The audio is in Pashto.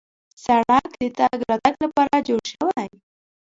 سړک د تګ راتګ لپاره جوړ شوی.